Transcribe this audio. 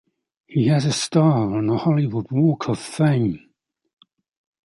He has a star on the Hollywood Walk of Fame.